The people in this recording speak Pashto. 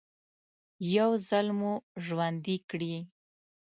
يو ځل مو ژوندي کړي.